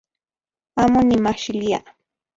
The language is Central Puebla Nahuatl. Amo nimajxilia